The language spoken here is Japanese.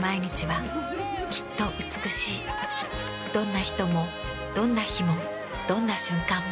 どんな人もどんな日もどんな瞬間も。